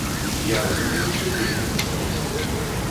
Я разумею, што дзеянне пачалося.